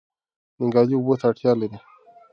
نیالګي اوبو ته اړتیا لري.